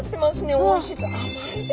おいしいです。